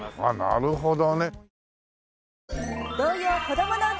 なるほどね。